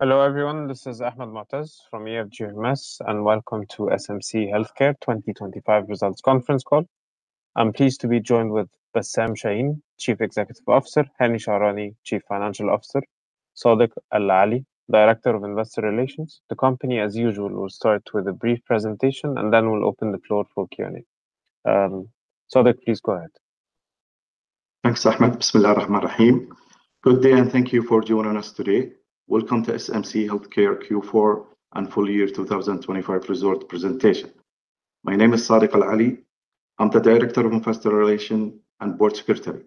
Hello, everyone. This is Ahmed Moataz from EFG Hermes, and welcome to SMC 2025 results conference call. I'm pleased to be joined with Bassam Chahine, Chief Executive Officer, Hani Charani, Chief Financial Officer, Sadeq Al-Ali, Director of Investor Relations. The company, as usual, will start with a brief presentation and then we'll open the floor for Q&A. Sadeq, please go ahead. Thanks, Ahmed. Bismillah ar-rahman ar-rahim. Good day, and thank you for joining us today. Welcome to SMC Healthcare Q4 and full year 2025 results presentation. My name is Sadeq Al-Ali. I'm the Director of Investor Relations and Board Secretary.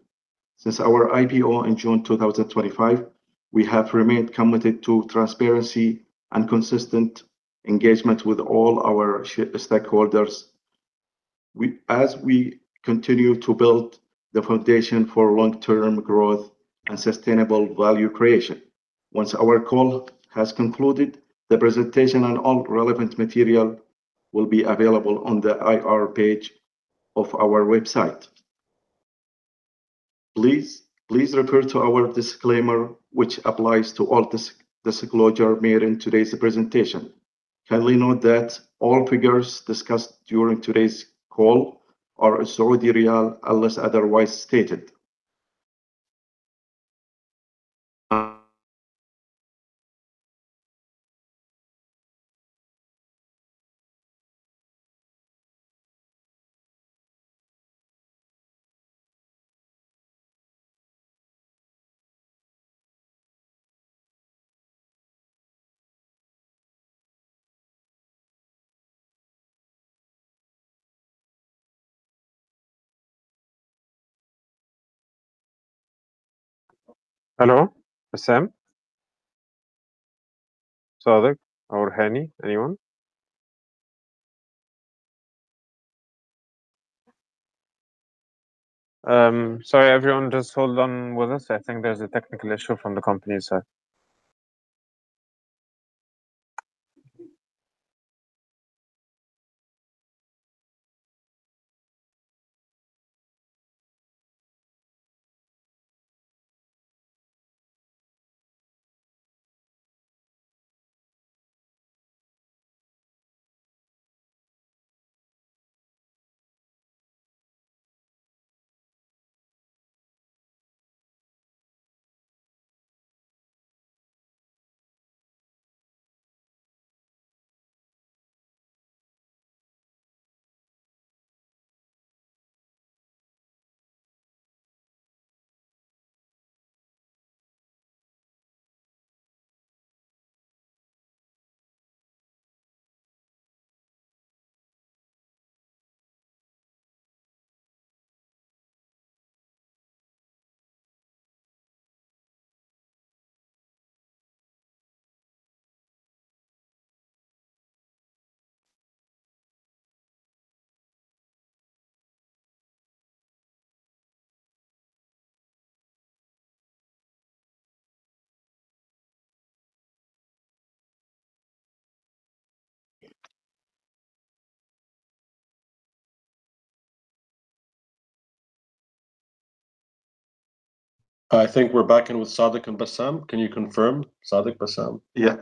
Since our IPO in June 2025, we have remained committed to transparency and consistent engagement with all our stakeholders as we continue to build the foundation for long-term growth and sustainable value creation. Once our call has concluded, the presentation and all relevant material will be available on the IR page of our website. Please refer to our disclaimer which applies to all disclosure made in today's presentation. Kindly note that all figures discussed during today's call are in Saudi riyal, unless otherwise stated. Hello, Bassam? Sadeq or Hani, anyone? Sorry, everyone. Just hold on with us. I think there's a technical issue from the company side. I think we're back in with Sadeq and Bassam. Can you confirm, Sadeq, Bassam? Yeah.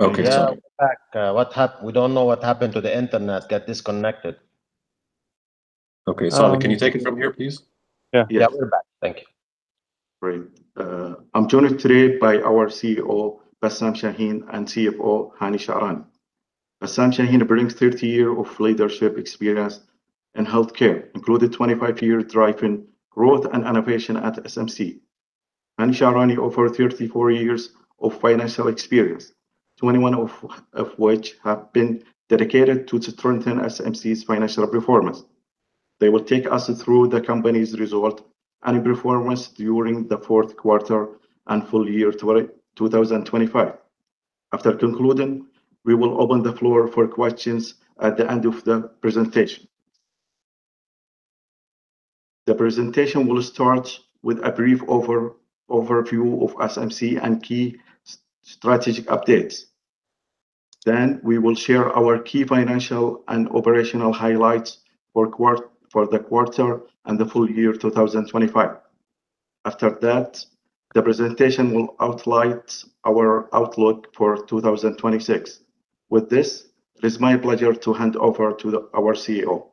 Okay. We are back. We don't know what happened to the internet. Got disconnected. Okay. Sadeq, can you take it from here, please? Yeah. Yeah, we're back. Thank you. Great. I'm joined today by our CEO, Bassam Chahine, and CFO, Hani Charani. Bassam Chahine brings 30 years of leadership experience in healthcare, including 25 years driving growth and innovation at SMC. Hani Charani offers 34 years of financial experience, 21 of which have been dedicated to strengthening SMC's financial performance. They will take us through the company's results and performance during the Q4 and full year 2025. After concluding, we will open the floor for questions at the end of the presentation. The presentation will start with a brief overview of SMC and key strategic updates. Then we will share our key financial and operational highlights for the quarter and the full year 2025. After that, the presentation will outline our outlook for 2026. With this, it is my pleasure to hand over to our CEO.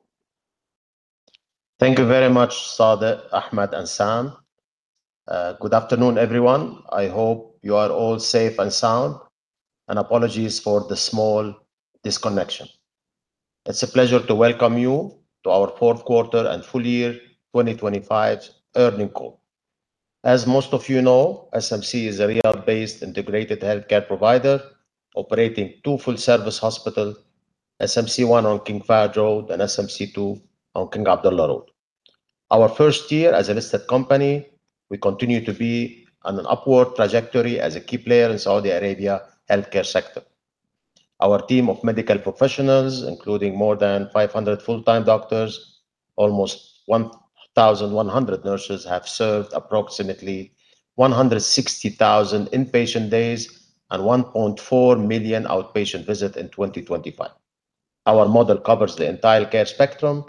Thank you very much, Sadeq, Ahmed Moataz, and Sam. Good afternoon, everyone. I hope you are all safe and sound, and apologies for the small disconnection. It's a pleasure to welcome you to our Q4 and full year 2025 earnings call. As most of you know, SMC is a Riyadh-based integrated healthcare provider operating two full-service hospitals, SMC 1 on King Fahd Road and SMC 2 on King Abdullah Road. Our first year as a listed company, we continue to be on an upward trajectory as a key player in Saudi Arabia healthcare sector. Our team of medical professionals, including more than 500 full-time doctors, almost 1,100 nurses, have served approximately 160,000 inpatient days and 1.4 million outpatient visit in 2025. Our model covers the entire care spectrum,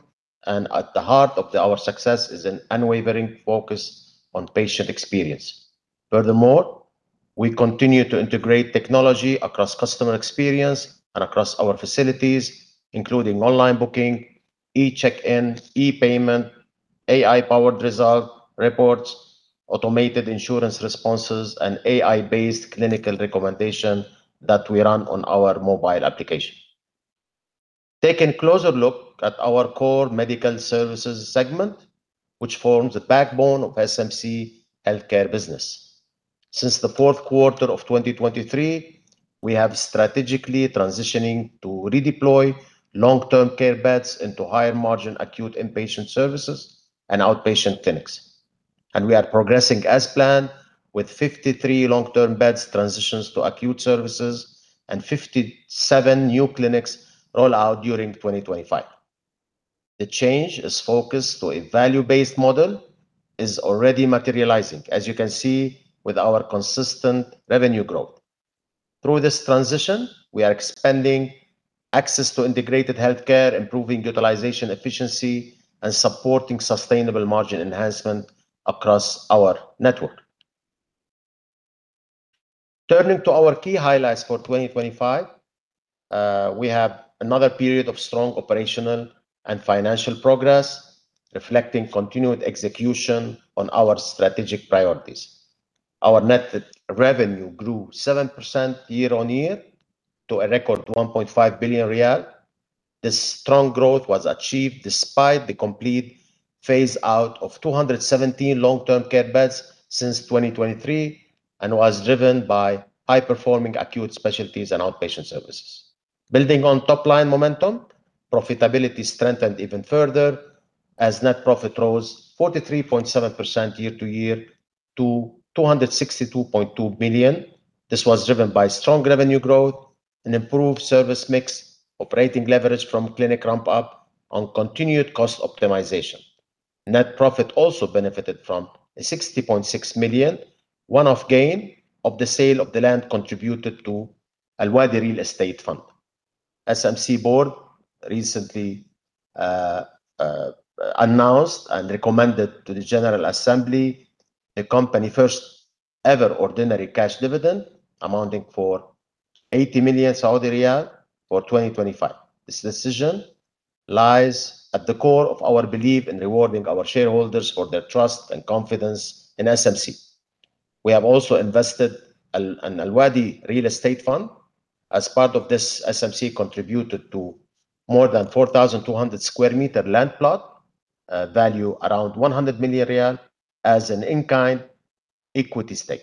and at the heart of our success is an unwavering focus on patient experience. Furthermore, we continue to integrate technology across customer experience and across our facilities, including online booking, eCheck-in, ePayment, AI-powered result reports, automated insurance responses, and AI-based clinical recommendation that we run on our mobile application. Taking a closer look at our core medical services segment, which forms the backbone of SMC Health Care business. Since the Q4 of 2023, we have strategically transitioning to redeploy long-term care beds into higher margin acute inpatient services and outpatient clinics. We are progressing as planned with 53 long-term beds transitions to acute services and 57 new clinics roll out during 2025. The change is focused to a value-based model, is already materializing, as you can see with our consistent revenue growth. Through this transition, we are expanding access to integrated healthcare, improving utilization efficiency, and supporting sustainable margin enhancement across our network. Turning to our key highlights for 2025, we have another period of strong operational and financial progress, reflecting continued execution on our strategic priorities. Our net revenue grew 7% year-on-year to a record 1.5 billion riyal. This strong growth was achieved despite the complete phase out of 217 long-term care beds since 2023 and was driven by high-performing acute specialties and outpatient services. Building on top line momentum, profitability strengthened even further as net profit rose 43.7% year-over-year to 262.2 million. This was driven by strong revenue growth, an improved service mix, operating leverage from clinic ramp up, and continued cost optimization. Net profit also benefited from a 60.6 million one-off gain of the sale of the land contributed to Al-Wadi Real Estate Fund. SMC board recently announced and recommended to the General Assembly the company first ever ordinary cash dividend amounting to 80 million Saudi riyal for 2025. This decision lies at the core of our belief in rewarding our shareholders for their trust and confidence in SMC. We have also invested in Al-Wadi Real Estate Fund. As part of this, SMC contributed more than 4,200 square meter land plot, value around SAR 100 million as an in-kind equity stake.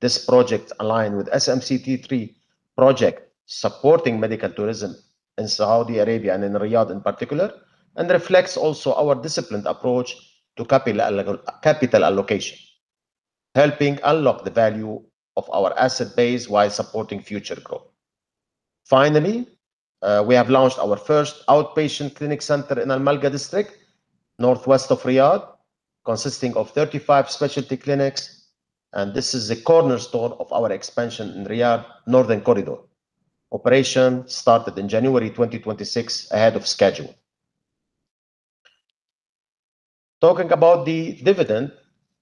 This project aligned with SMC 3 project supporting medical tourism in Saudi Arabia and in Riyadh in particular, and reflects also our disciplined approach to capital allocation, helping unlock the value of our asset base while supporting future growth. Finally, we have launched our first outpatient clinic center in Al Malqa district, northwest of Riyadh, consisting of 35 specialty clinics, and this is the cornerstone of our expansion in Riyadh Northern Corridor. Operation started in January 2026 ahead of schedule. Talking about the dividend,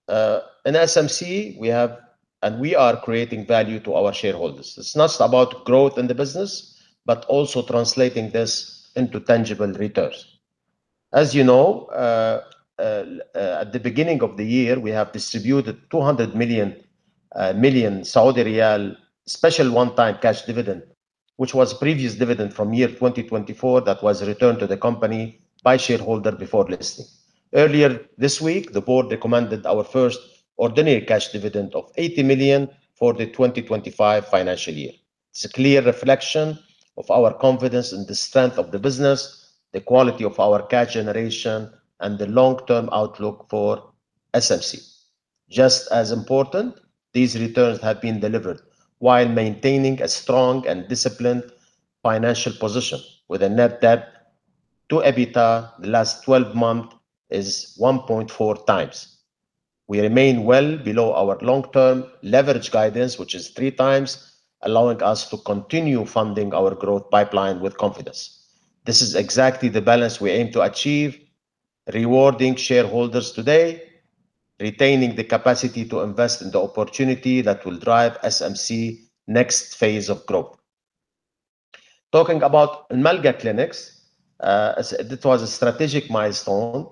in SMC, we have and we are creating value to our shareholders. It's not about growth in the business, but also translating this into tangible returns. As you know, at the beginning of the year, we have distributed 200 million Saudi riyal special one-time cash dividend, which was previous dividend from year 2024 that was returned to the company by shareholder before listing. Earlier this week, the board recommended our first ordinary cash dividend of 80 million for the 2025 financial year. It's a clear reflection of our confidence in the strength of the business, the quality of our cash generation, and the long-term outlook for SMC. Just as important, these returns have been delivered while maintaining a strong and disciplined financial position with a net debt to EBITDA the last 12 month is 1.4 times. We remain well below our long-term leverage guidance, which is 3 times, allowing us to continue funding our growth pipeline with confidence. This is exactly the balance we aim to achieve, rewarding shareholders today, retaining the capacity to invest in the opportunity that will drive SMC next phase of growth. Talking about Al Malqa clinics, it was a strategic milestone.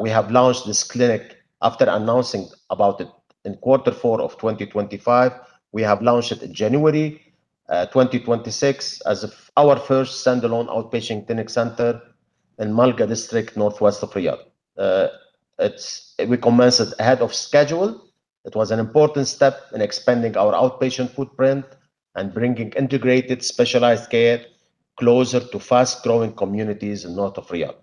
We have launched this clinic after announcing about it in quarter four of 2025. We have launched it in January 2026 as our first standalone outpatient clinic center in Al Malqa district, northwest of Riyadh. We commenced it ahead of schedule. It was an important step in expanding our outpatient footprint and bringing integrated specialized care closer to fast-growing communities north of Riyadh.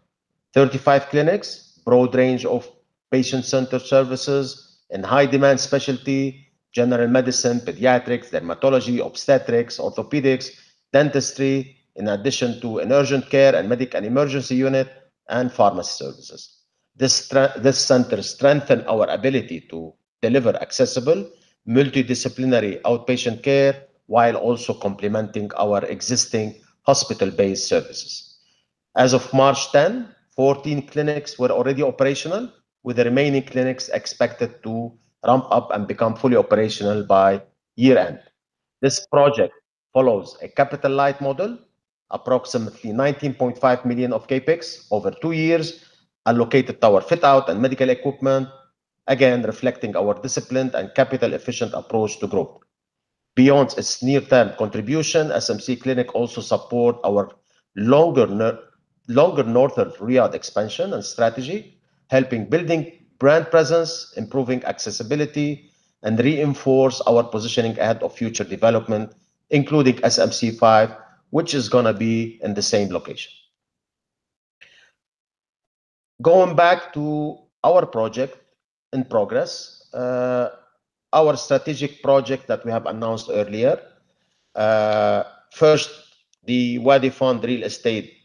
35 clinics, broad range of patient-centered services in high demand specialty, general medicine, pediatrics, dermatology, obstetrics, orthopedics, dentistry, in addition to an urgent care and medical emergency unit and pharmacy services. This center strengthens our ability to deliver accessible multidisciplinary outpatient care, while also complementing our existing hospital-based services. As of March 10, 14 clinics were already operational, with the remaining clinics expected to ramp up and become fully operational by year-end. This project follows a capital light model, approximately 19.5 million of CapEx over 2 years, allocated tower fit-out and medical equipment, again, reflecting our disciplined and capital efficient approach to growth. Beyond its near-term contribution, SMC Clinics also supports our longer Northern Riyadh expansion and strategy, helping build brand presence, improving accessibility and reinforcing our positioning ahead of future development, including SMC 5, which is gonna be in the same location. Going back to our project in progress, our strategic project that we have announced earlier. First, the Al-Wadi Real Estate Fund.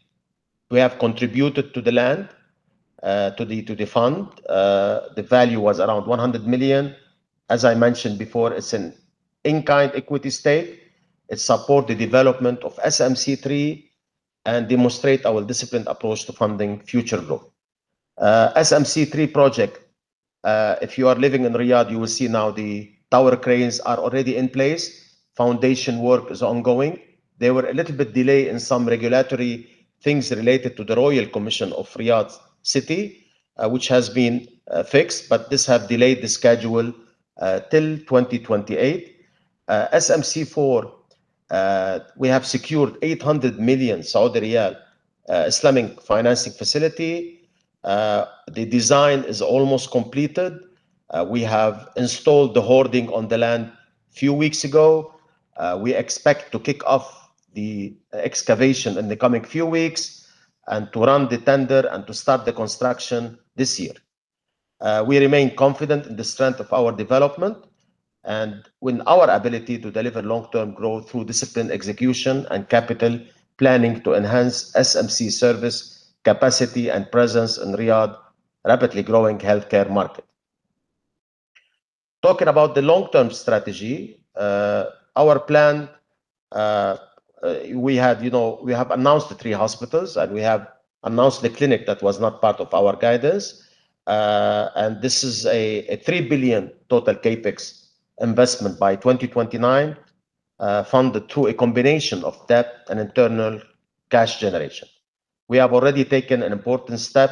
We have contributed the land to the fund. The value was around 100 million. As I mentioned before, it's an in-kind equity stake. It support the development of SMC 3 and demonstrate our disciplined approach to funding future growth. SMC 3 project, if you are living in Riyadh, you will see now the tower cranes are already in place. Foundation work is ongoing. There was a little bit delay in some regulatory things related to the Royal Commission for Riyadh City, which has been fixed, but this has delayed the schedule till 2028. SMC 4, we have secured 800 million Saudi riyal Islamic financing facility. The design is almost completed. We have installed the hoarding on the land few weeks ago. We expect to kick off the excavation in the coming few weeks and to run the tender and to start the construction this year. We remain confident in the strength of our development and in our ability to deliver long-term growth through disciplined execution and capital planning to enhance SMC service capacity and presence in Riyadh, rapidly growing healthcare market. Talking about the long-term strategy, our plan, you know, we have announced the three hospitals, and we have announced the clinic that was not part of our guidance. This is a 3 billion total CapEx investment by 2029, funded through a combination of debt and internal cash generation. We have already taken an important step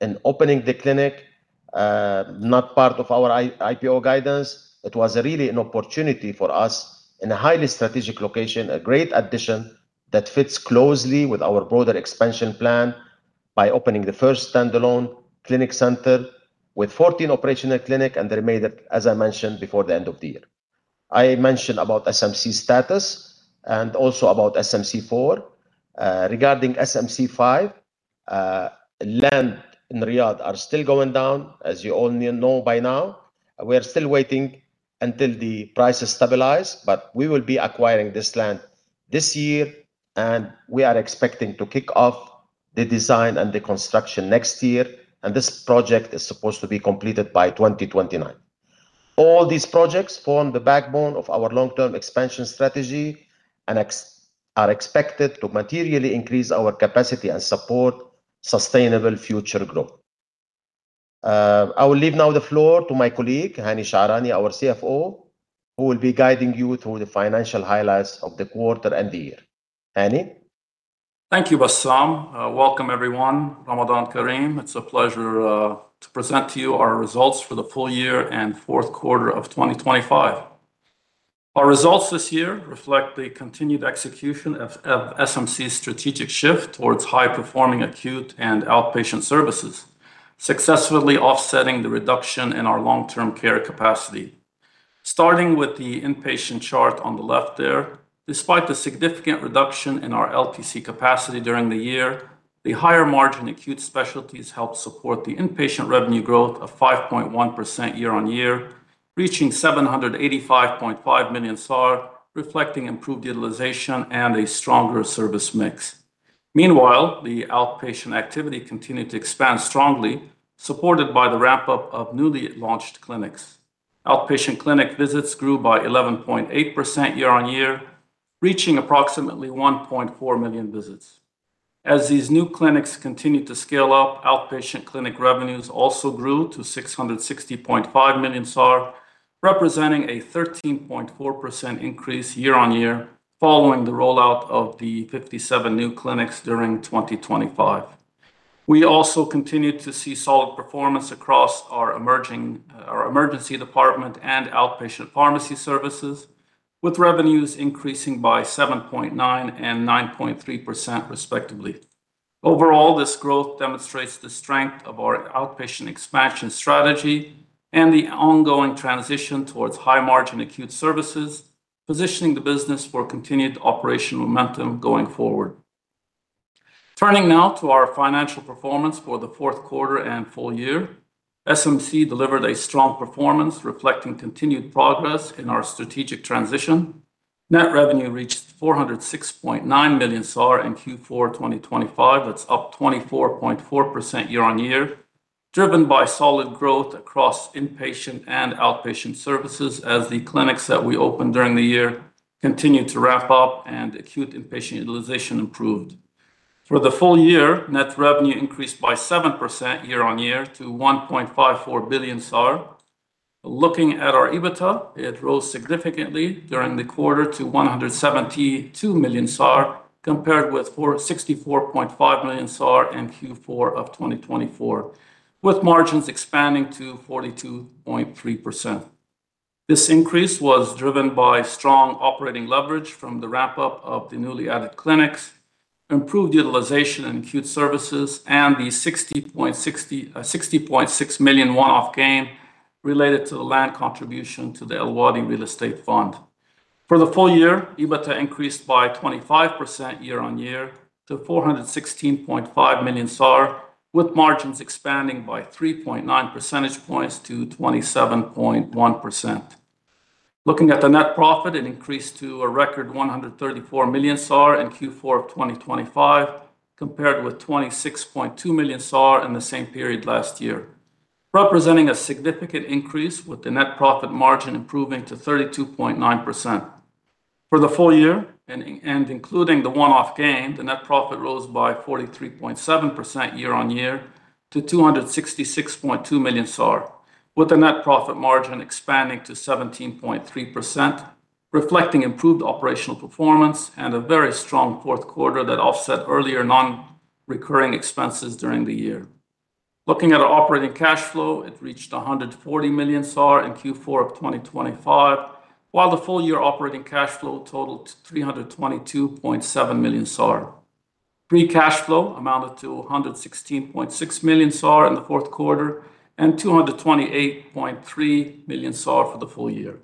in opening the clinic, not part of our IPO guidance. It was really an opportunity for us in a highly strategic location, a great addition that fits closely with our broader expansion plan by opening the first standalone clinic center with 14 operational clinics and the remainder, as I mentioned, before the end of the year. I mentioned about SMC status and also about SMC 4. Regarding SMC 5, land prices in Riyadh are still going down, as you all know by now. We are still waiting until the prices stabilize, but we will be acquiring this land this year, and we are expecting to kick off the design and the construction next year, and this project is supposed to be completed by 2029. All these projects form the backbone of our long-term expansion strategy and are expected to materially increase our capacity and support sustainable future growth. I will leave now the floor to my colleague, Hani Charani, our CFO, who will be guiding you through the financial highlights of the quarter and the year. Hani. Thank you, Bassam. Welcome, everyone. Ramadan Kareem. It's a pleasure to present to you our results for the full year and Q of 2025. Our results this year reflect the continued execution of SMC's strategic shift towards high-performing acute and outpatient services, successfully offsetting the reduction in our long-term care capacity. Starting with the inpatient chart on the left there, despite the significant reduction in our LTC capacity during the year, the higher margin acute specialties helped support the inpatient revenue growth of 5.1% year-on-year, reaching 785.5 million SAR, reflecting improved utilization and a stronger service mix. Meanwhile, the outpatient activity continued to expand strongly, supported by the ramp-up of newly launched clinics. Outpatient clinic visits grew by 11.8% year-on-year, reaching approximately 1.4 million visits. As these new clinics continued to scale up, outpatient clinic revenues also grew to 660.5 million SAR, representing a 13.4% increase year-on-year following the rollout of the 57 new clinics during 2025. We also continued to see solid performance across our emerging, our emergency department and outpatient pharmacy services, with revenues increasing by 7.9% and 9.3% respectively. Overall, this growth demonstrates the strength of our outpatient expansion strategy and the ongoing transition towards high-margin acute services, positioning the business for continued operational momentum going forward. Turning now to our financial performance for the fourth quarter and full year. SMC delivered a strong performance reflecting continued progress in our strategic transition. Net revenue reached 406.9 million SAR in Q4 2025. That's up 24.4% year-on-year, driven by solid growth across inpatient and outpatient services as the clinics that we opened during the year continued to ramp up and acute inpatient utilization improved. For the full year, net revenue increased by 7% year-on-year to 1.54 billion SAR. Looking at our EBITDA, it rose significantly during the quarter to 172 million SAR compared with 464.5 million SAR in Q4 of 2024, with margins expanding to 42.3%. This increase was driven by strong operating leverage from the ramp-up of the newly added clinics, improved utilization in acute services, and the 60.6 million one-off gain related to the land contribution to the Al-Wadi Real Estate Fund. For the full year, EBITDA increased by 25% year-on-year to 416.5 million SAR, with margins expanding by 3.9 percentage points to 27.1%. Looking at the net profit, it increased to a record 134 million SAR in Q4 of 2025, compared with 26.2 million SAR in the same period last year, representing a significant increase with the net profit margin improving to 32.9%. For the full year and including the one-off gain, the net profit rose by 43.7% year-on-year to 266.2 million SAR, with the net profit margin expanding to 17.3%, reflecting improved operational performance and a very strong Q4 that offset earlier non-recurring expenses during the year. Looking at our operating cash flow, it reached 140 million SAR in Q4 of 2025, while the full-year operating cash flow totaled 322.7 million SAR. Free cash flow amounted to 116.6 million SAR in the Q4 and 228.3 million SAR for the full year,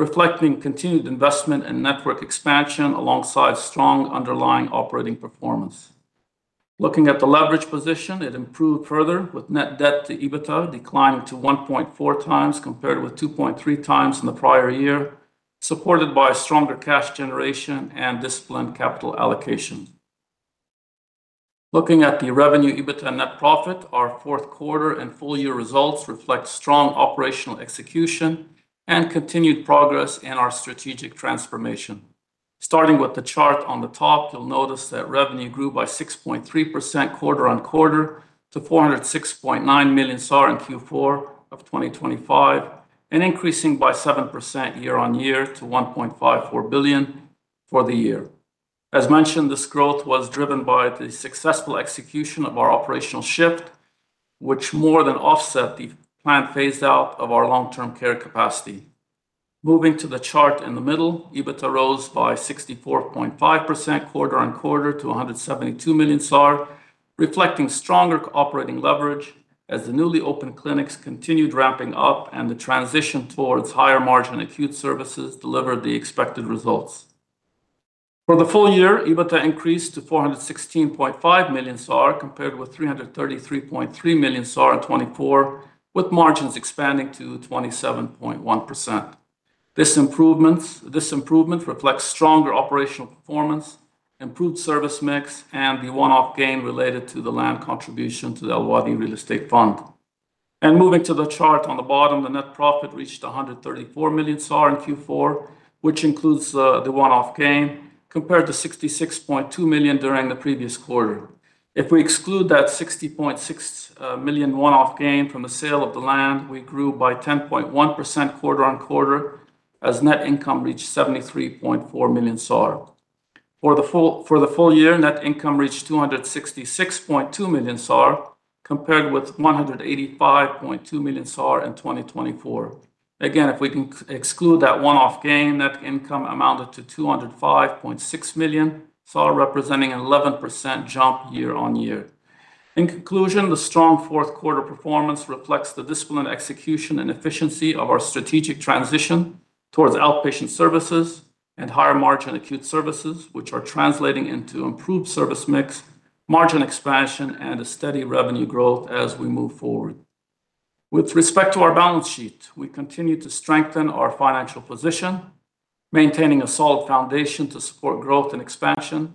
reflecting continued investment in network expansion alongside strong underlying operating performance. Looking at the leverage position, it improved further with net debt to EBITDA declining to 1.4 times compared with 2.3 times in the prior year, supported by stronger cash generation and disciplined capital allocation. Looking at the revenue EBITDA net profit, our Q4 and full-year results reflect strong operational execution and continued progress in our strategic transformation. Starting with the chart on the top, you'll notice that revenue grew by 6.3% quarter-on-quarter to 406.9 million SAR in Q4 of 2025 and increasing by 7% year-on-year to 1.54 billion for the year. As mentioned, this growth was driven by the successful execution of our operational shift, which more than offset the planned phase out of our long-term care capacity. Moving to the chart in the middle, EBITDA rose by 64.5% quarter-on-quarter to 172 million SAR, reflecting stronger operating leverage as the newly opened clinics continued ramping up and the transition towards higher margin acute services delivered the expected results. For the full year, EBITDA increased to 416.5 million SAR compared with 333.3 million SAR in 2024, with margins expanding to 27.1%. This improvement reflects stronger operational performance, improved service mix, and the one-off gain related to the land contribution to the Al-Wadi Real Estate Fund. Moving to the chart on the bottom, the net profit reached 134 million SAR in Q4, which includes the one-off gain, compared to 66.2 million during the previous quarter. If we exclude that 60.6 million one-off gain from the sale of the land, we grew by 10.1% quarter-on-quarter as net income reached 73.4 million SAR. For the full year, net income reached 266.2 million SAR compared with 185.2 million SAR in 2024. Again, if we can exclude that one-off gain, net income amounted to 205.6 million, representing an 11% jump year-on-year. In conclusion, the strong Q4 performance reflects the disciplined execution and efficiency of our strategic transition towards outpatient services and higher margin acute services, which are translating into improved service mix, margin expansion, and a steady revenue growth as we move forward. With respect to our balance sheet, we continue to strengthen our financial position, maintaining a solid foundation to support growth and expansion.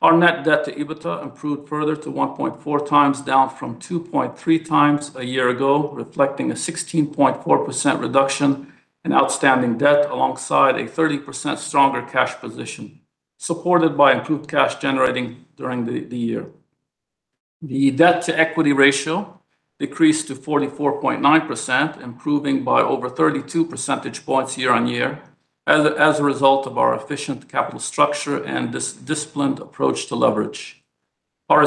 Our net debt to EBITDA improved further to 1.4 times, down from 2.3 times a year ago, reflecting a 16.4% reduction in outstanding debt alongside a 30% stronger cash position, supported by improved cash generating during the year. The debt-to-equity ratio decreased to 44.9%, improving by over 32 percentage points year on year as a result of our efficient capital structure and disciplined approach to leverage. Our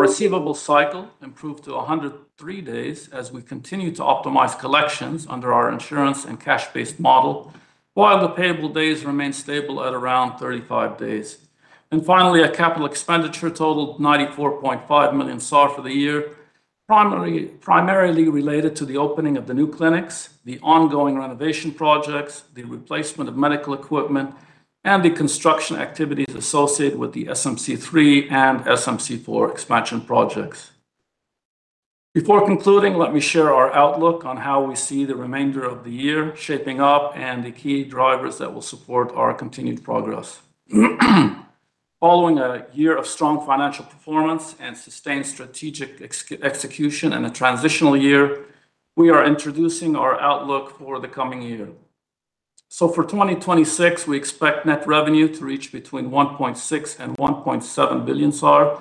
receivable cycle improved to 103 days as we continue to optimize collections under our insurance and cash-based model, while the payable days remained stable at around 35 days. Finally, our capital expenditure totaled 94.5 million SAR for the year, primarily related to the opening of the new clinics, the ongoing renovation projects, the replacement of medical equipment, and the construction activities associated with the SMC 3 and SMC 4 expansion projects. Before concluding, let me share our outlook on how we see the remainder of the year shaping up and the key drivers that will support our continued progress. Following a year of strong financial performance and sustained strategic execution and a transitional year, we are introducing our outlook for the coming year. For 2026, we expect net revenue to reach between 1.6 billion and 1.7 billion SAR,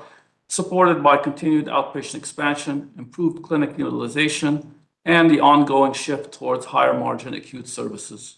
supported by continued outpatient expansion, improved clinic utilization, and the ongoing shift towards higher margin acute services.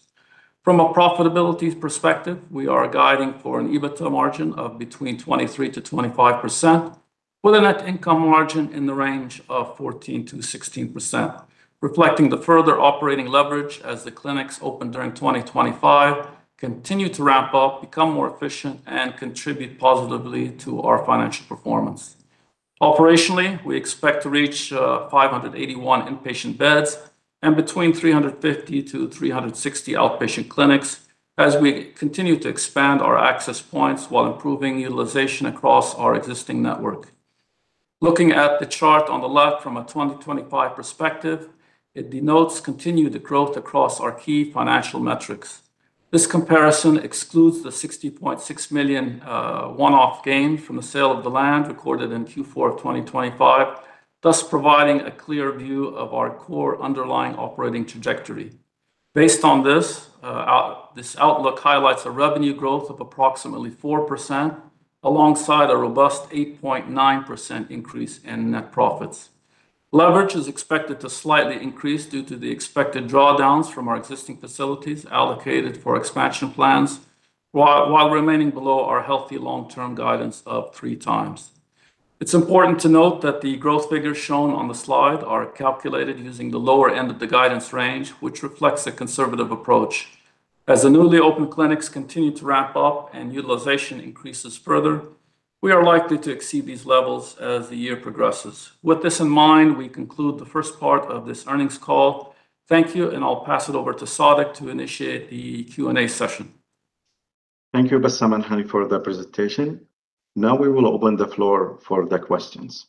From a profitability perspective, we are guiding for an EBITDA margin of between 23%–25% with a net income margin in the range of 14%–16%, reflecting the further operating leverage as the clinics open during 2025 continue to ramp up, become more efficient, and contribute positively to our financial performance. Operationally, we expect to reach 581 inpatient beds and between 350-360 outpatient clinics as we continue to expand our access points while improving utilization across our existing network. Looking at the chart on the left from a 2025 perspective, it denotes continued growth across our key financial metrics. This comparison excludes the 60.6 million one-off gain from the sale of the land recorded in Q4 of 2025, thus providing a clear view of our core underlying operating trajectory. Based on this outlook highlights a revenue growth of approximately 4% alongside a robust 8.9% increase in net profits. Leverage is expected to slightly increase due to the expected drawdowns from our existing facilities allocated for expansion plans while remaining below our healthy long-term guidance of 3x. It's important to note that the growth figures shown on the slide are calculated using the lower end of the guidance range, which reflects a conservative approach. As the newly opened clinics continue to ramp up and utilization increases further, we are likely to exceed these levels as the year progresses. With this in mind, we conclude the first part of this earnings call. Thank you, and I'll pass it over to Sadeq to initiate the Q&A session. Thank you, Bassam and Hani, for the presentation. Now we will open the floor for the questions.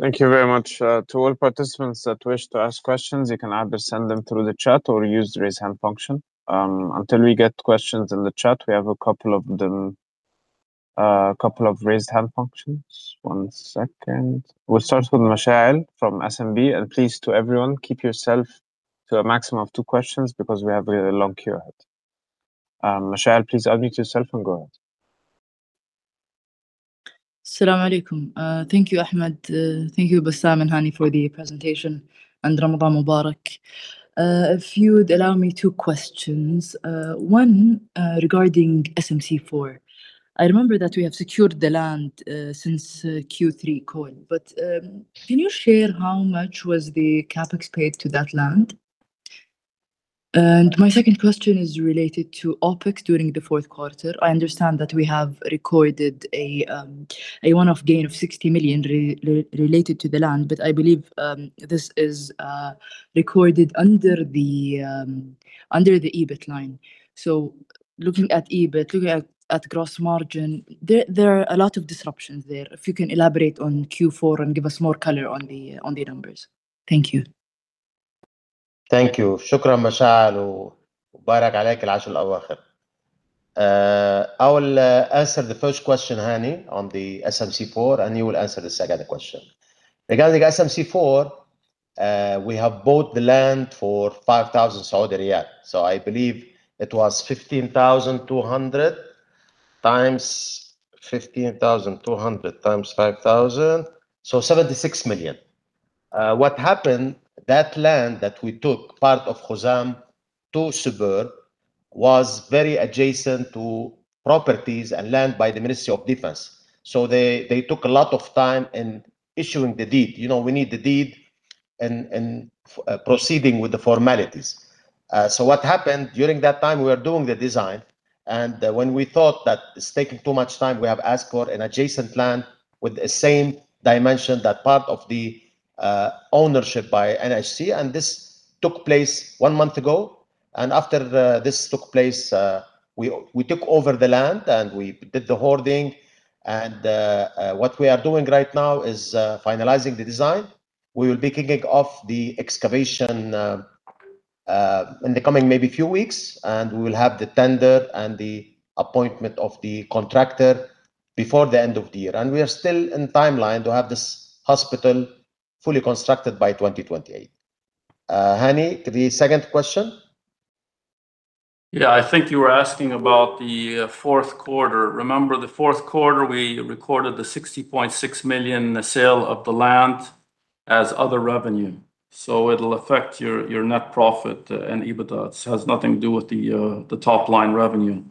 Thank you very much. To all participants that wish to ask questions, you can either send them through the chat or use the Raise Hand function. Until we get questions in the chat, we have a couple of Raised Hand functions. One second. We'll start with Mashael from SMB. Please, to everyone, keep yourself to a maximum of two questions because we have a long queue ahead. Mashael, please unmute yourself and go ahead. Salaam alaikum. Thank you, Ahmed. Thank you, Bassam and Hani, for the presentation, and Ramadan Mubarak. If you'd allow me two questions. One, regarding SMC 4. I remember that we have secured the land since Q3 call, but can you share how much was the CapEx paid to that land? My second question is related to OpEx during the Q4. I understand that we have recorded a one-off gain of 60 million related to the land, but I believe this is recorded under the EBIT line. Looking at EBIT, looking at gross margin, there are a lot of disruptions there. If you can elaborate on Q4 and give us more color on the numbers. Thank you. Thank you. Shukran, Mashael. Ramadan Mubarak. I will answer the first question, Hani, on the SMC 4, and you will answer the second question. Regarding SMC 4, we have bought the land for 5,000 Saudi riyal. I believe it was 15,200 times 5,000, so 76 million. What happened, that land that we took, part of Khuzam Suburb, was very adjacent to properties and land by the Ministry of Defense. They took a lot of time in issuing the deed. You know, we need the deed and proceeding with the formalities. What happened, during that time, we were doing the design, and when we thought that it's taking too much time, we have asked for an adjacent land with the same dimension that part of the ownership by NHC. This took place one month ago. After this took place, we took over the land, and we did the hoarding. What we are doing right now is finalizing the design. We will be kicking off the excavation, in the coming maybe few weeks, and we will have the tender and the appointment of the contractor before the end of the year. We are still in timeline to have this hospital fully constructed by 2028. Hani, the second question? Yeah. I think you were asking about the Q4. Remember the Q4, we recorded the 60.6 million, the sale of the land as other revenue. It'll affect your net profit and EBITDA. It has nothing to do with the top-line revenue.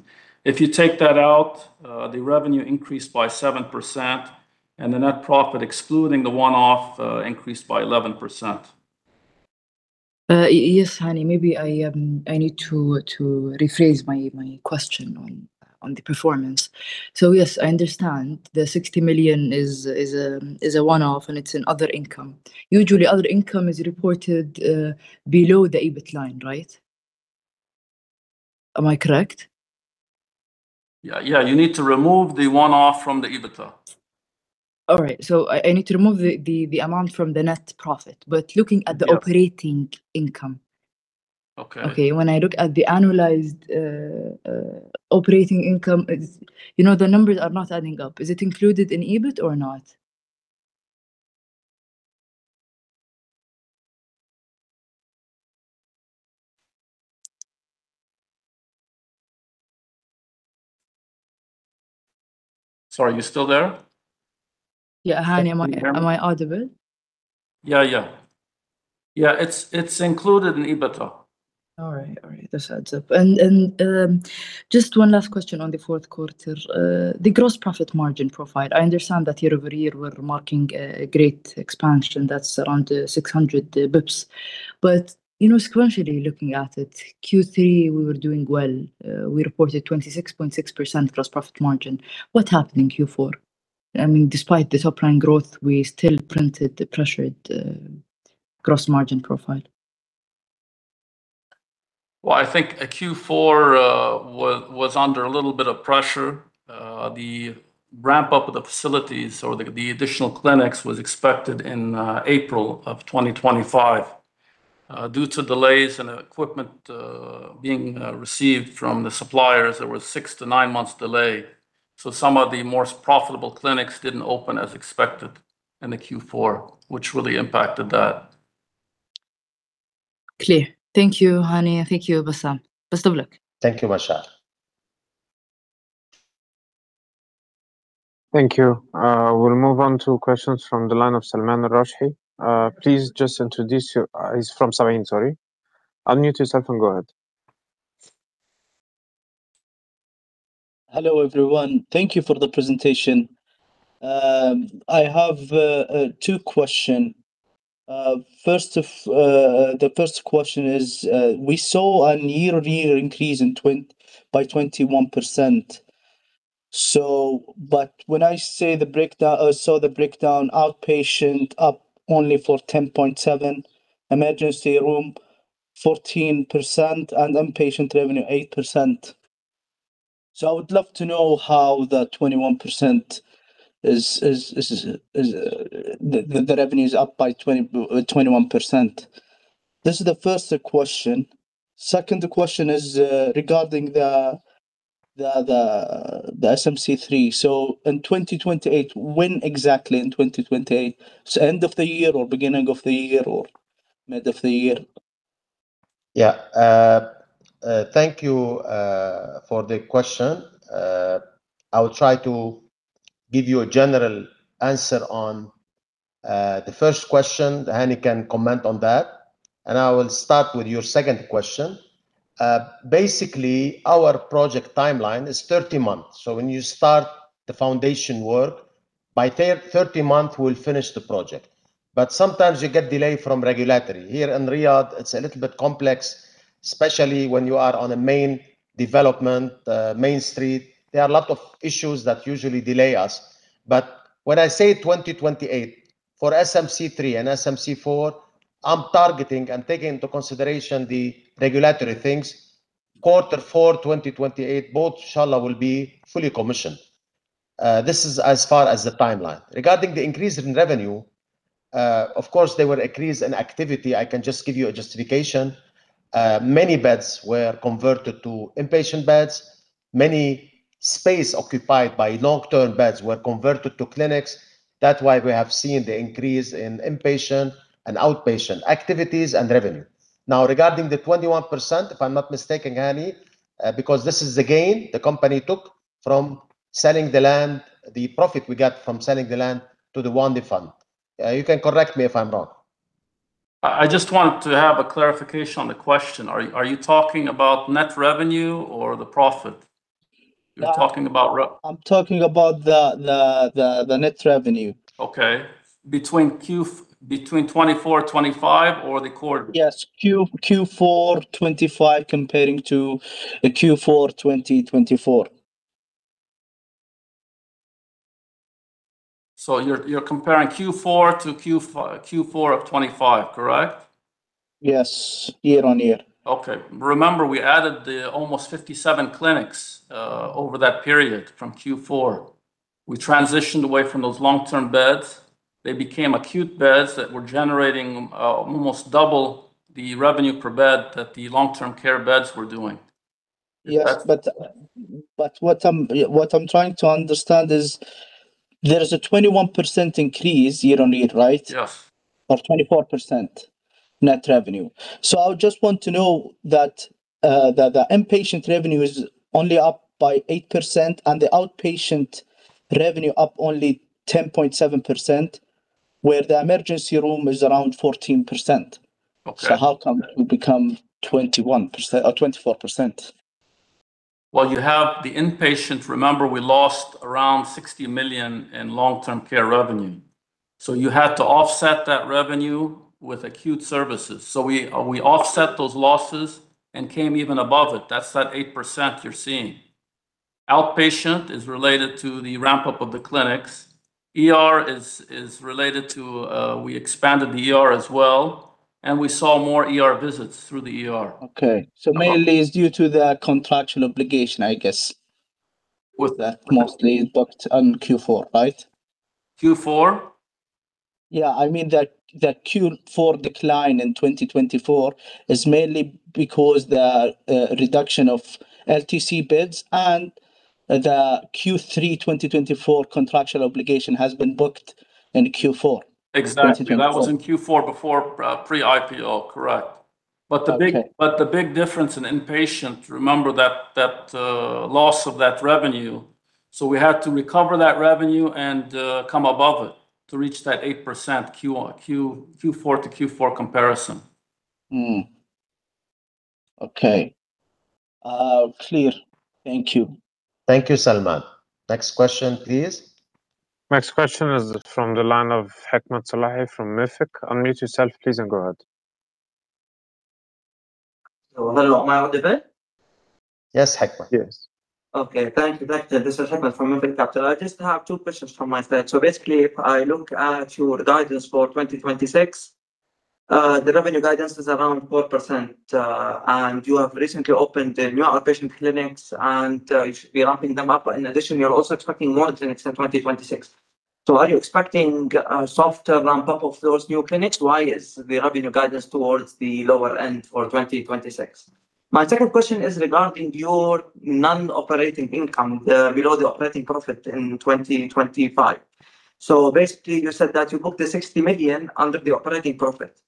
If you take that out, the revenue increased by 7%, and the net profit, excluding the one-off, increased by 11%. Yes, Hani. Maybe I need to rephrase my question on the performance. Yes, I understand the 60 million is a one-off, and it's in other income. Usually, other income is reported below the EBIT line, right? Am I correct? Yeah, yeah. You need to remove the one-off from the EBITDA. All right. I need to remove the amount from the net profit. Looking at the Yeah. Operating income. Okay. Okay. When I look at the annualized operating income, it's. You know, the numbers are not adding up. Is it included in EBIT or not? Sorry, are you still there? Yeah, Hani. Am I audible? Yeah, it's included in EBITDA. All right. This adds up. Just one last question on the Q4. The gross profit margin profile, I understand that year-over-year we're marking a great expansion that's around 600 basis points. But, you know, sequentially looking at it, Q3 we were doing well. We reported 26.6% gross profit margin. What happened in Q4? I mean, despite this upward growth, we still printed a pressured gross margin profile. Well, I think Q4 was under a little bit of pressure. The ramp-up of the facilities or the additional clinics was expected in April of 2025. Due to delays in equipment being received from the suppliers, there was 6-9 months delay. Some of the more profitable clinics didn't open as expected in the Q4, which really impacted that. Clear. Thank you, Hani. Thank you, Bassam. Best of luck. Thank you, Mashal. Thank you. We'll move on to questions from the line of Salman Al-Rashidi. Please just introduce. He's from Thamain, sorry. Unmute yourself and go ahead. Hello, everyone. Thank you for the presentation. I have two questions. The first question is, we saw a year-over-year increase by 21%. I saw the breakdown, outpatient up only for 10.7%, emergency room 14%, and inpatient revenue 8%. I would love to know how the 21% is, the revenue is up by 21%. This is the first question. Second question is, regarding the SMC Three. In 2028, when exactly in 2028? End of the year, or beginning of the year, or mid of the year? Yeah. Thank you for the question. I will try to give you a general answer on the first question. Hani can comment on that. I will start with your second question. Basically, our project timeline is 30 months. When you start the foundation work, by 30 months, we'll finish the project. Sometimes you get delay from regulatory. Here in Riyadh, it's a little bit complex, especially when you are on a main development, main street. There are a lot of issues that usually delay us. When I say 2028 for SMC 3 and SMC 4, I'm targeting and taking into consideration the regulatory things. Q4 2028, both, Inshallah, will be fully commissioned. This is as far as the timeline. Regarding the increase in revenue, of course, there were increase in activity. I can just give you a justification. Many beds were converted to inpatient beds. Many space occupied by long-term beds were converted to clinics. That's why we have seen the increase in inpatient and outpatient activities and revenue. Now, regarding the 21%, if I'm not mistaken, Hani, because this is the gain the company took from selling the land, the profit we got from selling the land to the Al-Wadi Real Estate Fund. You can correct me if I'm wrong. I just want to have a clarification on the question. Are you talking about net revenue or the profit? You're talking about re- I'm talking about the net revenue. Okay. Between 2024, 2025 or the quarter? Yes, Q4 2025 comparing to Q4 2024. You're comparing Q4 to Q4 of 25, correct? Yes, year-over-year. Remember, we added the almost 57 clinics over that period from Q4. We transitioned away from those long-term beds. They became acute beds that were generating almost double the revenue per bed that the long-term care beds were doing. Yeah. Is that? What I'm trying to understand is there is a 21% increase year-on-year, right? Yeah. 24% net revenue. I just want to know that the inpatient revenue is only up by 8% and the outpatient revenue up only 10.7%, while the emergency room is around 14%. Okay. How come it become 21% or 24%? Well, you have the inpatient. Remember, we lost around 60 million in long-term care revenue, so you had to offset that revenue with acute services. We offset those losses and came even above it. That's that 8% you're seeing. Outpatient is related to the ramp up of the clinics. ER is related to, we expanded the ER as well, and we saw more ER visits through the ER. Okay. Mainly it's due to the contractual obligation, I guess. What's that? Mostly booked on Q4, right? Q4? Yeah. I mean, the Q4 decline in 2024 is mainly because the reduction of LTC beds and the Q3 2024 contractual obligation has been booked in Q4. Exactly. 2024. That was in Q4 before pre-IPO. Correct. Okay. The big difference in inpatient, remember that loss of that revenue. We had to recover that revenue and come above it to reach that 8% Q-on-Q, Q4-to-Q4 comparison. Okay. Clear. Thank you. Thank you, Salman. Next question, please. Next question is from the line of Hikmat Salahi from Mefic. Unmute yourself, please, and go ahead. Hello. Am I audible? Yes, Hikmat. Yes. Okay. Thank you, doctor. This is Hikmat from Mefic Capital. I just have two questions from my side. Basically, if I look at your guidance for 2026, the revenue guidance is around 4%, and you have recently opened the new outpatient clinics, and you should be ramping them up. In addition, you're also expecting more clinics in 2026. Are you expecting a softer ramp-up of those new clinics? Why is the revenue guidance towards the lower end for 2026? My second question is regarding your non-operating income below the operating profit in 2025. Basically, you said that you booked the 60 million under the operating profit.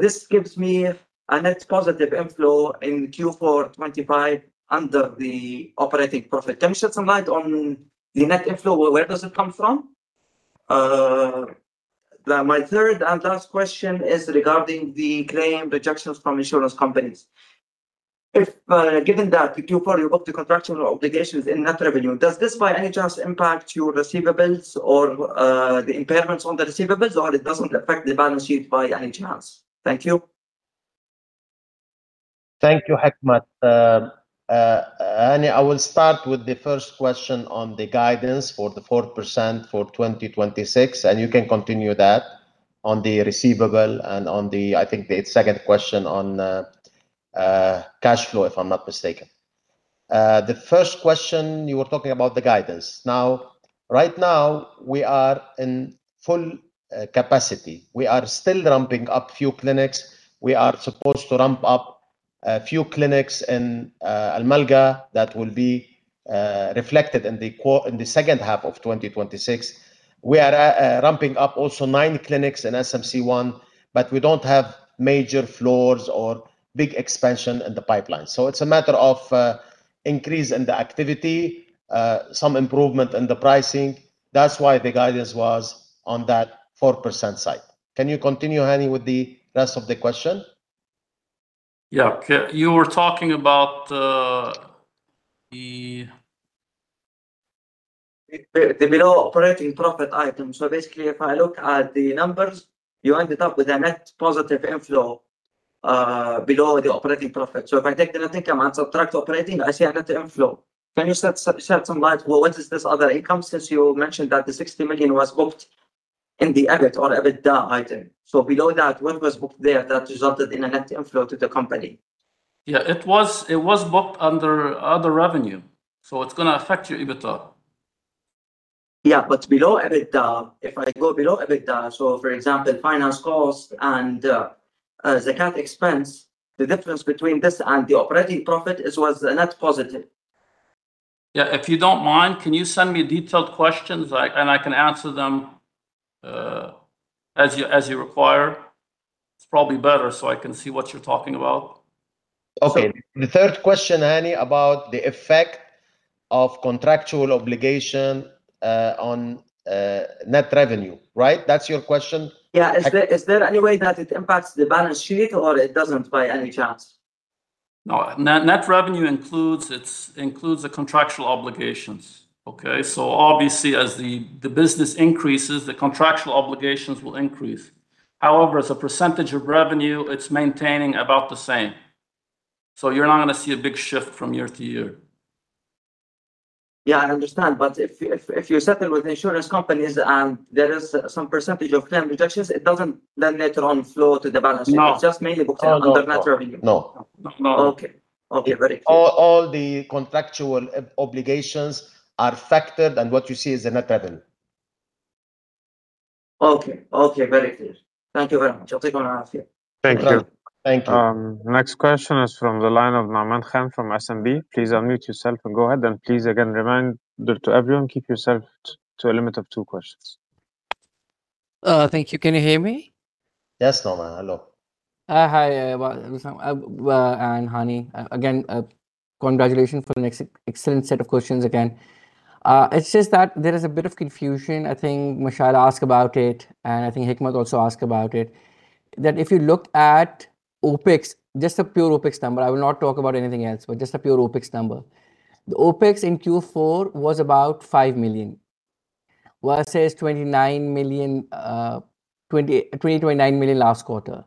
This gives me a net positive inflow in Q4 2025 under the operating profit. Can you shed some light on the net inflow? Where does it come from? My third and last question is regarding the claim rejections from insurance companies. If, given that in Q4 you booked the contractual obligations in net revenue, does this by any chance impact your receivables or, the impairments on the receivables, or it doesn't affect the balance sheet by any chance? Thank you. Thank you, Hikmat. Hani, I will start with the first question on the guidance for the 4% for 2026, and you can continue that on the receivable and on the, I think, the second question on the cash flow, if I'm not mistaken. The first question, you were talking about the guidance. Now, right now, we are in full capacity. We are still ramping up few clinics. We are supposed to ramp up a few clinics in Al Malqa that will be reflected in the second half of 2026. We are ramping up also 9 clinics in SMC One, but we don't have major floors or big expansion in the pipeline. It's a matter of increase in the activity, some improvement in the pricing. That's why the guidance was on that 4% side. Can you continue, Hani, with the rest of the question? Yeah. You were talking about the. The below operating profit item. Basically, if I look at the numbers, you ended up with a net positive inflow below the operating profit. If I take the net income and subtract operating, I see a net inflow. Can you shed some light? What is this other income, since you mentioned that the 60 million was booked in the EBIT or EBITDA item? Below that, what was booked there that resulted in a net inflow to the company? Yeah. It was booked under other revenue, so it's gonna affect your EBITDA. Below EBITDA, if I go below EBITDA, so for example, finance cost and Zakat expense, the difference between this and the operating profit, it was a net positive. Yeah. If you don't mind, can you send me detailed questions, like, and I can answer them, as you require? It's probably better so I can see what you're talking about. Okay. The third question, Hani, about the effect of contractual obligation on net revenue, right? That's your question? Yeah. Is there any way that it impacts the balance sheet, or it doesn't by any chance? No. Net net revenue includes the contractual obligations, okay? Obviously, as the business increases, the contractual obligations will increase. However, as a percentage of revenue, it's maintaining about the same. You're not gonna see a big shift from year to year. Yeah, I understand. If you settle with insurance companies and there is some percentage of claim rejections, it doesn't then later on flow to the balance sheet. No. It's just mainly booked under net revenue. No. No. Okay. Very clear. All the contractual obligations are factored, and what you see is the net revenue. Okay. Very clear. Thank you very much. I'll take one off here. Thank you. Thank you. Next question is from the line of Naaman Khan from SMB. Please unmute yourself and go ahead. Please, again, remind everyone, keep yourself to a limit of two questions. Thank you. Can you hear me? Yes, Naaman. Hello. Hi, Bassam and Hani. Again, congratulations for an excellent set of questions again. It's just that there is a bit of confusion. I think Mashal asked about it, and I think Hikmat also asked about it, that if you look at OpEx, just a pure OpEx number, I will not talk about anything else, but just a pure OpEx number. The OpEx in Q4 was about 5 million, whereas it was 29 million last quarter.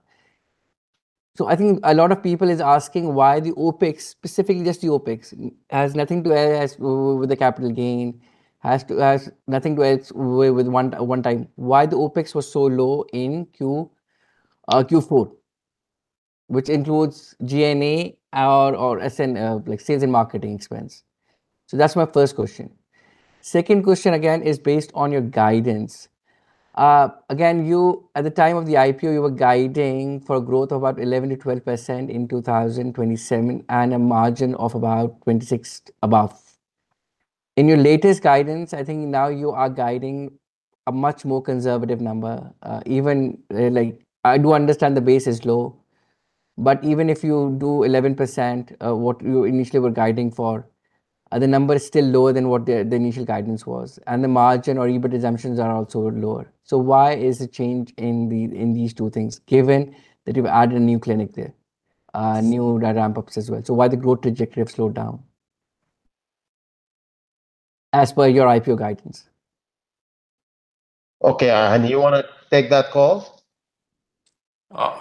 I think a lot of people is asking why the OpEx, specifically just the OpEx, has nothing to do with the capital gain, has nothing to do with one-time. Why the OpEx was so low in Q4, which includes G&A or S&M, like sales and marketing expense. That's my first question. Second question again is based on your guidance. Again, at the time of the IPO, you were guiding for growth of about 11%–12% in 2027 and a margin of about 26% or above. In your latest guidance, I think now you are guiding a much more conservative number. Even, like I do understand the base is low, but even if you do 11%, what you initially were guiding for, the number is still lower than what the initial guidance was, and the margin or EBITDA assumptions are also lower. Why is the change in these two things, given that you've added a new clinic there, new ramp-ups as well? Why the growth trajectory have slowed down as per your IPO guidance? Okay. Hani, you wanna take that call?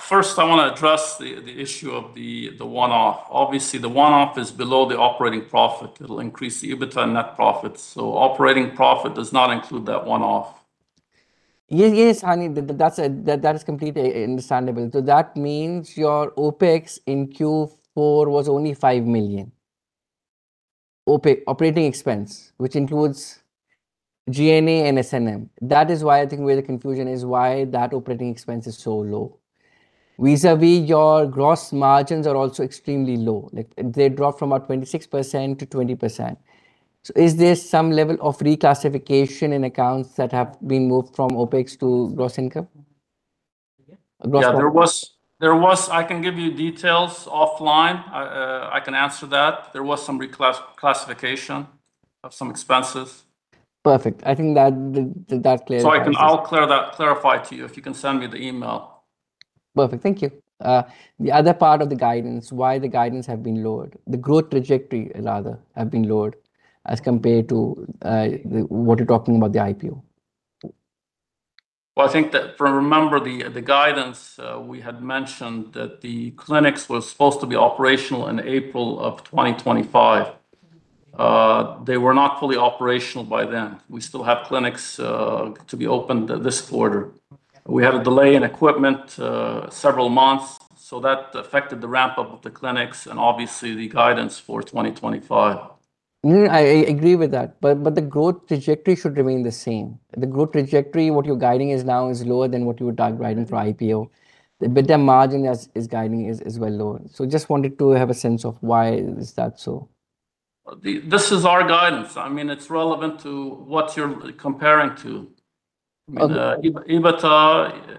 First I wanna address the issue of the one-off. Obviously, the one-off is below the operating profit. It'll increase the EBIT and net profit. Operating profit does not include that one-off. Yes, yes, Hani. That is completely understandable. That means your OpEx in Q4 was only 5 million. OpEx, operating expense, which includes G&A and S&M. That is why I think where the confusion is why that operating expense is so low. Vis-à-vis your gross margins are also extremely low. Like, they dropped from 26%–20%. Is there some level of reclassification in accounts that have been moved from OpEx to gross income? Yeah, there was. I can give you details offline. I can answer that. There was some reclassification of some expenses. Perfect. I think that cleared up. I'll clear that, clarify to you if you can send me the email. Perfect. Thank you. The other part of the guidance, why the guidance have been lowered, the growth trajectory rather have been lowered as compared to what you're talking about the IPO. Well, I think. Remember the guidance we had mentioned that the clinics was supposed to be operational in April of 2025. They were not fully operational by then. We still have clinics to be opened this quarter. We had a delay in equipment several months, so that affected the ramp-up of the clinics and obviously the guidance for 2025. I agree with that. The growth trajectory should remain the same. The growth trajectory, what you're guiding now, is lower than what you were guiding for IPO. The margin as is guiding is well lower. Just wanted to have a sense of why is that so. This is our guidance. I mean, it's relevant to what you're comparing to. Okay. The EBIT,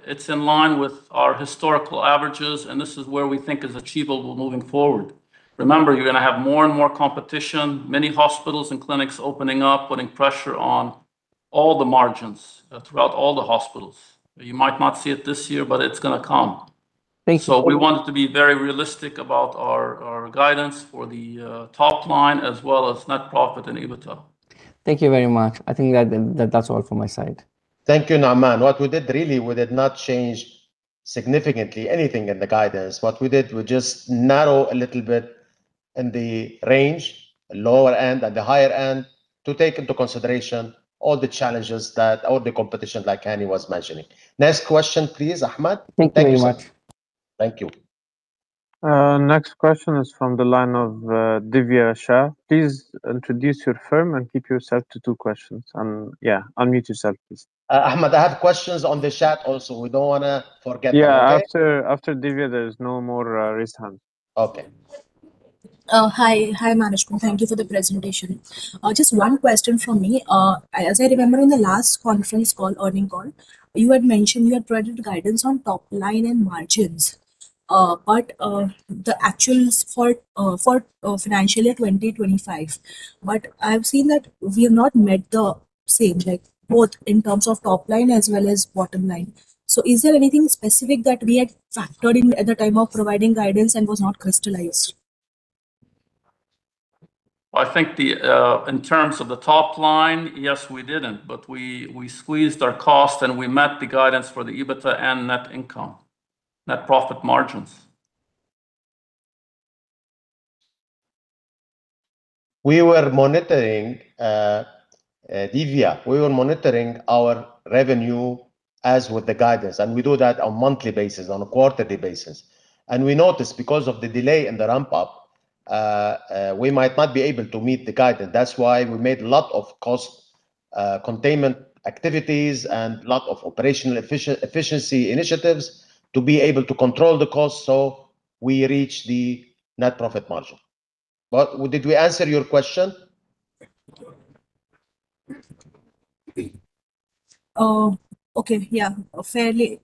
it's in line with our historical averages, and this is where we think is achievable moving forward. Remember, you're gonna have more and more competition, many hospitals and clinics opening up, putting pressure on all the margins throughout all the hospitals. You might not see it this year, but it's gonna come. Thank you. We wanted to be very realistic about our guidance for the top line as well as net profit and EBIT. Thank you very much. I think that's all from my side. Thank you, Naaman. What we did really, we did not change significantly anything in the guidance. What we did, we just narrow a little bit in the range, lower end and the higher end, to take into consideration all the challenges that all the competition like Hani was mentioning. Next question, please, Ahmed. Thank you very much. Thank you so much. Thank you. Next question is from the line of Divya Shah. Please introduce your firm and keep yourself to two questions. Yeah, unmute yourself, please. Ahmed, I have questions on the chat also. We don't wanna forget about it, okay? Yeah. After Divya, there is no more raised hand. Okay. Hi. Hi, management. Thank you for the presentation. Just one question from me. As I remember in the last conference call, earnings call, you had mentioned you had projected guidance on top line and margins, but the actuals for financial year 2025. I've seen that we have not met the same, like both in terms of top line as well as bottom line. Is there anything specific that we had factored in at the time of providing guidance and was not crystallized? I think in terms of the top line, yes, we didn't, but we squeezed our cost and we met the guidance for the EBIT and net income, net profit margins. We were monitoring, Divya. We were monitoring our revenue as with the guidance, and we do that on a monthly basis, on a quarterly basis. We noticed because of the delay in the ramp-up, we might not be able to meet the guidance. That's why we made lot of cost containment activities and lot of operational efficiency initiatives to be able to control the cost, so we reach the net profit margin. Did we answer your question? Okay. Yeah. Fairly.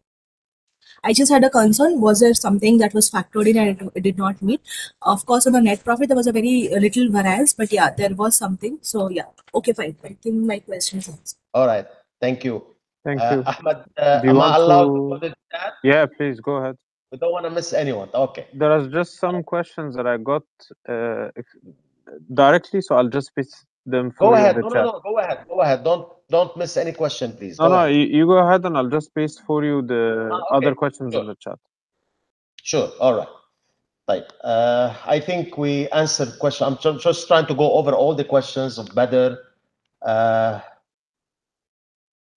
I just had a concern. Was there something that was factored in and it did not meet? Of course, on the net profit, there was a very little variance, but yeah, there was something. Yeah. Okay, fine. I think my question is answered. All right. Thank you. Thank you. Ahmed, am I allowed to call in chat? Yeah, please go ahead. We don't wanna miss anyone. Okay. There are just some questions that I got directly, so I'll just paste them for you in the chat. Go ahead. No. Go ahead. Go ahead. Don't miss any question, please. Go ahead. No, you go ahead, and I'll just paste for you the other questions on the chat. Sure. All right. Bye. I think we answered the question. I'm just trying to go over all the questions of Bader,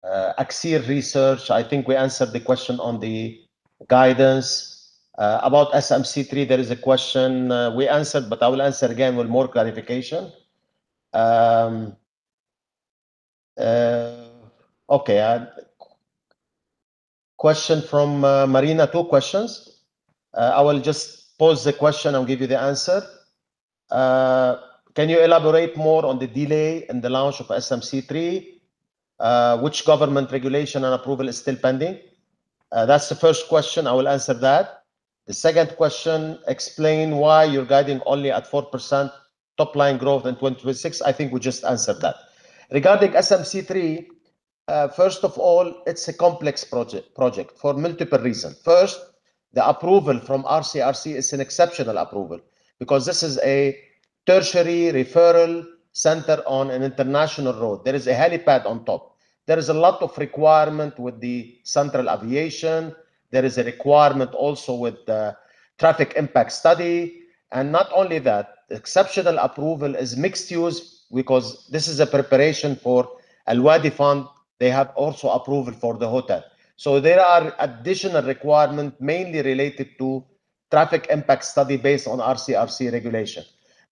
Atheer Research. I think we answered the question on the guidance. About SMC 3, there is a question, we answered, but I will answer again with more clarification. Okay. Question from Marina. Two questions. I will just pose the question and give you the answer. Can you elaborate more on the delay in the launch of SMC 3? Which government regulation and approval is still pending? That's the first question. I will answer that. The second question, explain why you're guiding only at 4% top-line growth in 2026. I think we just answered that. Regarding SMC 3, first of all, it's a complex project for multiple reasons. First, the approval from RCRC is an exceptional approval because this is a tertiary referral center on an international road. There is a helipad on top. There is a lot of requirement with the civil aviation. There is a requirement also with the traffic impact study. Not only that, the exceptional approval is mixed use because this is a preparation for Al-Wadi Fund. They have also approval for the hotel. There are additional requirement mainly related to traffic impact study based on RCRC regulation.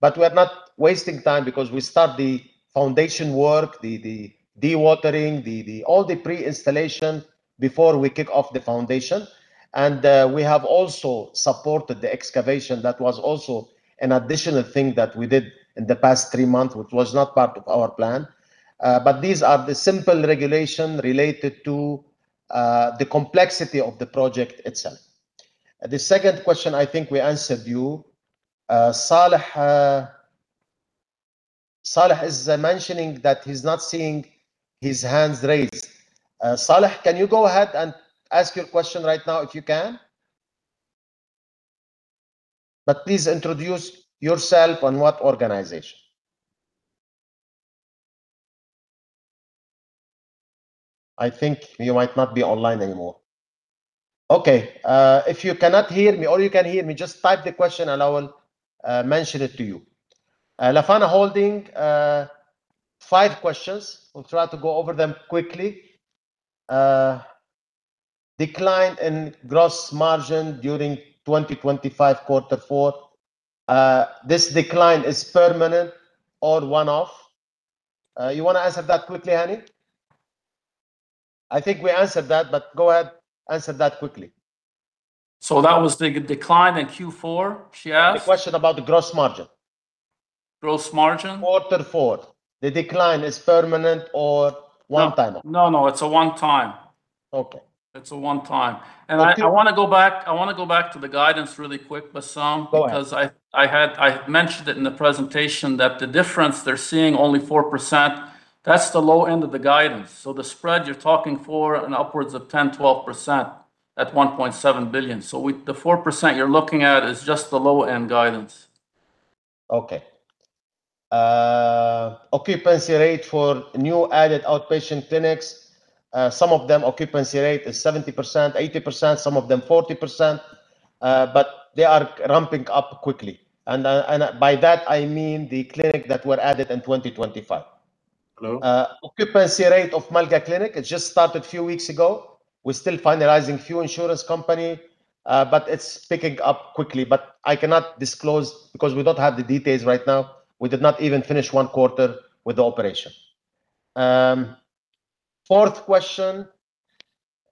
We're not wasting time because we start the foundation work, the dewatering, all the pre-installation before we kick off the foundation. We have also supported the excavation. That was also an additional thing that we did in the past three months, which was not part of our plan. These are the simple regulation related to the complexity of the project itself. The second question, I think we answered you. Saleh is mentioning that he's not seeing his hands raised. Saleh, can you go ahead and ask your question right now if you can? Please introduce yourself and what organization. I think he might not be online anymore. Okay. If you cannot hear me or you can hear me, just type the question and I will mention it to you. LAFANA Holding, five questions. I'll try to go over them quickly. Decline in gross margin during 2025 Q4, this decline is permanent or one-off? You wanna answer that quickly, Hani? I think we answered that, but go ahead, answer that quickly. that was the decline in Q4 she asked? The question about the gross margin. Gross margin? Q4, the decline is permanent or one-time? No, it's a one time. Okay. It's a one time. Okay. I wanna go back to the guidance really quick, Bassam. Go ahead. Because I had mentioned it in the presentation that the difference they're seeing only 4%, that's the low end of the guidance. The spread you're talking for an upwards of 10, 12% at 1.7 billion. The 4% you're looking at is just the low-end guidance. Occupancy rate for new added outpatient clinics, some of them occupancy rate is 70%, 80%, some of them 40%, but they are ramping up quickly. By that I mean the clinic that were added in 2025. Clear. Occupancy rate of Al Malqa Clinic, it just started a few weeks ago. We're still finalizing a few insurance companies, but it's picking up quickly. I cannot disclose because we don't have the details right now. We did not even finish Q1 with the operation. Fourth question,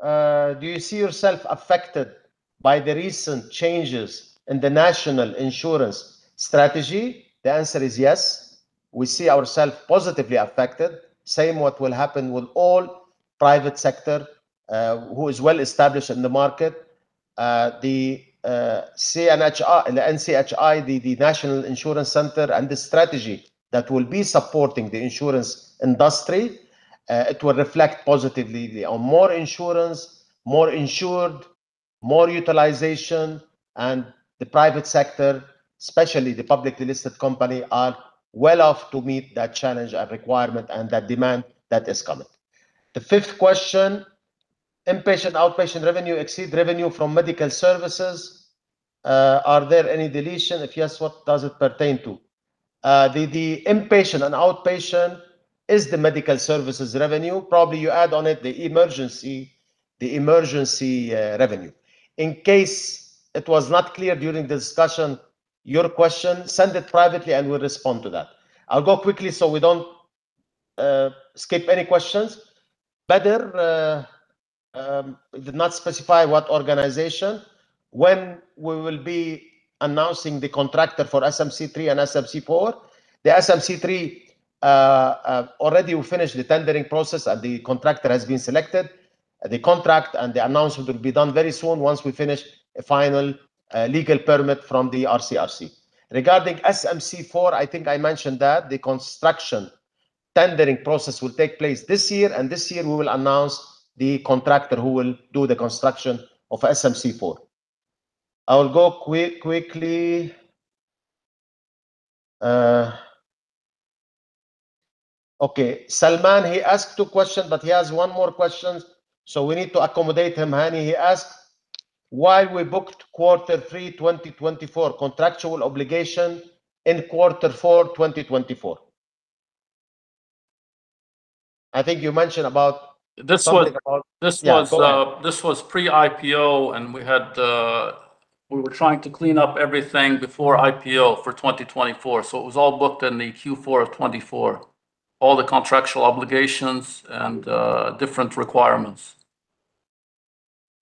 do you see yourself affected by the recent changes in the National Insurance Sector Strategy? The answer is yes. We see ourselves positively affected. Same as what will happen with all private sector who is well established in the market. The NHIC, the National Health Insurance Center and the strategy that will be supporting the insurance industry, it will reflect positively. There are more insurance, more insured, more utilization, and the private sector, especially the publicly listed company, are well off to meet that challenge and requirement and that demand that is coming. The fifth question, inpatient, outpatient revenue exceed revenue from medical services. Are there any deduction? If yes, what does it pertain to? The inpatient and outpatient is the medical services revenue. Probably you add on it the emergency revenue. In case it was not clear during the discussion, your question, send it privately, and we'll respond to that. I'll go quickly, so we don't skip any questions. Bader did not specify what organization. When we will be announcing the contractor for SMC 3 and SMC 4. The SMC 3 already we finished the tendering process, and the contractor has been selected. The contract and the announcement will be done very soon once we finish a final legal permit from the RCRC. Regarding SMC 4, I think I mentioned that the construction tendering process will take place this year, and this year we will announce the contractor who will do the construction of SMC 4. I will go quickly. Okay, Salman Al-Rashidi, he asked two questions, but he has one more question, so we need to accommodate him. Hani Charani, he asked why we booked Q3 2024 contractual obligation in Q4 2024. I think you mentioned about. This was- Yeah, go ahead. This was pre-IPO, and we had. We were trying to clean up everything before IPO for 2024, so it was all booked in the Q4 of 2024, all the contractual obligations and different requirements.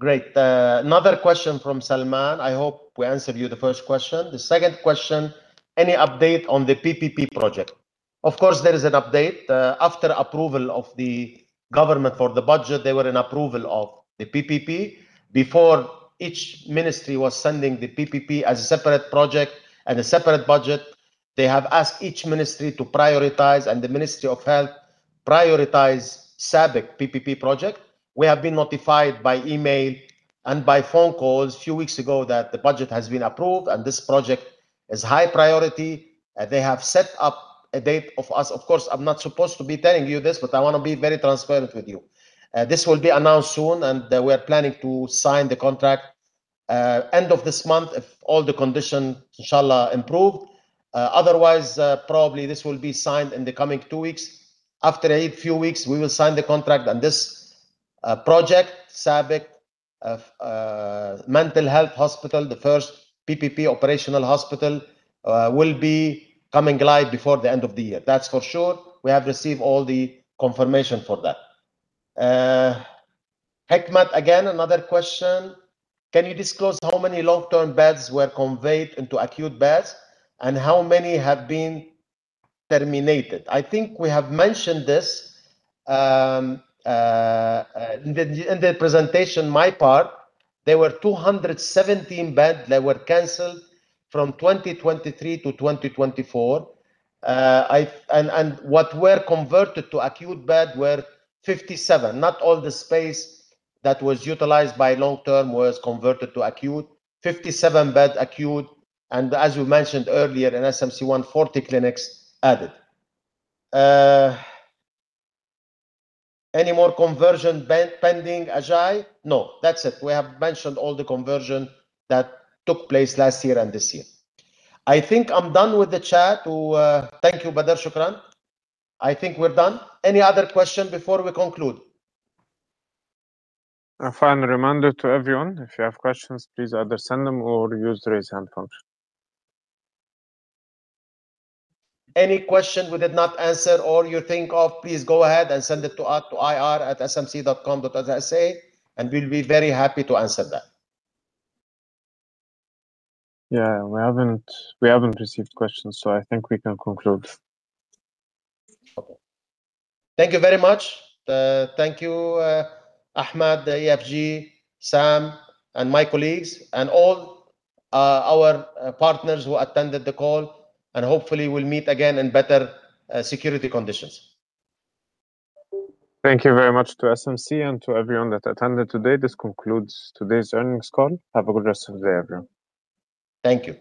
Great. Another question from Salman. I hope we answered you the first question. The second question, any update on the PPP project? Of course, there is an update. After approval of the government for the budget, they were in approval of the PPP. Before, each ministry was sending the PPP as a separate project and a separate budget. They have asked each ministry to prioritize, and the Ministry of Health prioritize SABIC PPP project. We have been notified by email and by phone calls a few weeks ago that the budget has been approved and this project is high priority. They have set up a date of us. Of course, I'm not supposed to be telling you this, but I want to be very transparent with you. This will be announced soon, and we're planning to sign the contract end of this month if all the conditions, Inshallah, improve. Otherwise, probably this will be signed in the coming two weeks. After a few weeks, we will sign the contract on this project, SABIC mental health hospital. The first PPP operational hospital will be coming live before the end of the year. That's for sure. We have received all the confirmation for that. Hikmat, again, another question. Can you disclose how many long-term beds were converted into acute beds and how many have been terminated? I think we have mentioned this in the presentation, my part. There were 217 beds that were canceled from 2023 to 2024. What were converted to acute beds were 57. Not all the space that was utilized by long-term was converted to acute. 57-bed acute, and as you mentioned earlier, an SMC 140 clinics added. Any more conversions pending, Ajai? No, that's it. We have mentioned all the conversions that took place last year and this year. I think I'm done with that. Thank you, Bader. Shukran. I think we're done. Any other questions before we conclude? A final reminder to everyone, if you have questions, please either send them or use the raise hand function. Any question we did not answer or you think of, please go ahead and send it to IR@smc.com.sa, and we'll be very happy to answer that. Yeah. We haven't received questions, so I think we can conclude. Okay. Thank you very much. Thank you, Ahmed, EFG, Sam, and my colleagues and all our partners who attended the call. Hopefully we'll meet again in better security conditions. Thank you very much to SMC and to everyone that attended today. This concludes today's earnings call. Have a good rest of the day, everyone. Thank you.